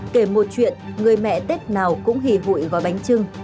kể một chuyện người mẹ tết nào cũng hì hụi gói bánh trưng